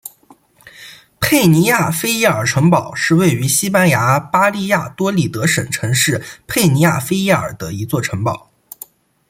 佩尼亚菲耶尔城堡是位于西班牙巴利亚多利德省城市佩尼亚菲耶尔的一座城堡。